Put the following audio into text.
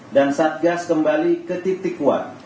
dan satgas kembali ke titik satu